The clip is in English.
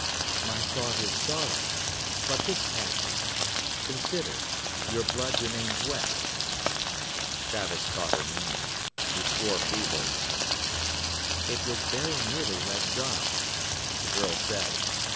"My thought is sorrow. But this passes. Consider: your blood remains wet." Travis caught her meaning. He swore feebly. "It was very nearly let dry," the girl said.